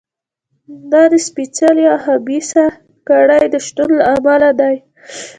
دا د سپېڅلې او خبیثه کړۍ د شتون له امله دی.